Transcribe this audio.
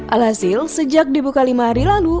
alhasil sejak dibuka lima hari lalu